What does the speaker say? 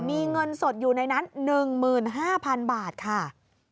มีเงินสดอยู่ในนั้น๑๕๐๐๐บาทค่ะ